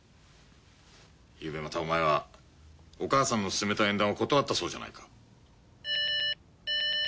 ゆうべまたお前はお母さんの勧めた縁談を断ったそうじゃないか。